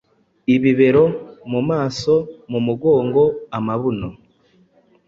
Ibibero, mu maso, mu mugongo, amabuno